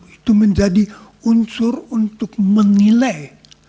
maka itu akan menjadi salah satu unsur untuk menilai